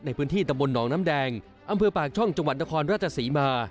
ในพื้นที่ตำบลหนองน้ำแดงอำเภอปากช่องจังหวัดนครราชศรีมา